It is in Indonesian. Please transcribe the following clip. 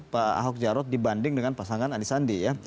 pak ahok jarot dibanding dengan pasangan anisandi ya